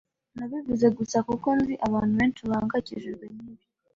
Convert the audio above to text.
Nabivuze gusa kuko nzi abantu benshi bahangayikishijwe nibyo.